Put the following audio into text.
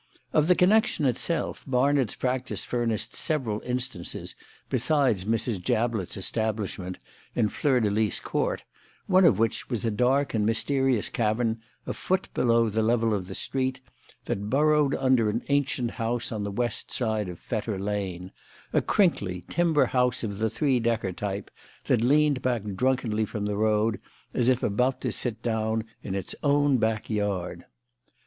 Of the connection itself Barnard's practice furnished several instances besides Mrs. Jablett's establishment in Fleur de Lys Court, one of which was a dark and mysterious cavern a foot below the level of the street, that burrowed under an ancient house on the west side of Fetter Lane a crinkly, timber house of the three decker type that leaned back drunkenly from the road as if about to sit down in its own back yard.